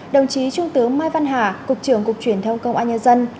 đồng chí trung tướng mai văn hà cục trưởng cục truyền thông công an nhân dân